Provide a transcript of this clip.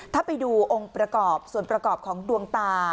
ถ้าไปดูองค์ประกอบส่วนประกอบของดวงตา